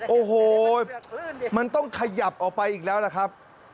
โอ้โหมันต้องขยับออกไปอีกแล้วล่ะครับ